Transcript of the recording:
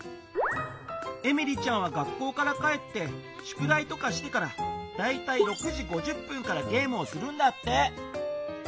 エミリちゃんは学校から帰ってしゅくだいとかしてからだいたい６時５０分からゲームをするんだって。